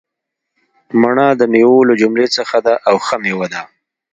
مڼه دمیوو له جملي څخه ده او ښه میوه ده